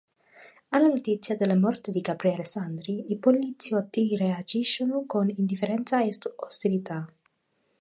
Alla notizia della morte di Gabriele Sandri, i poliziotti reagiscono con indifferenza e ostilità.